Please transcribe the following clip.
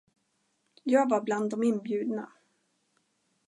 Jag var bland de inbjudna.